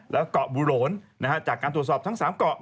แล้วก็เกาะบุโหลนจากการตรวจสอบทั้ง๓เกาะ